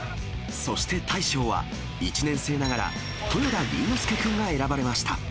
そして大将は、１年生ながら、豊田倫之亮君が選ばれました。